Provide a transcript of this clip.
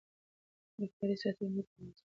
د کار ساعتونه باید د رمضان شرایطو سره برابر شي.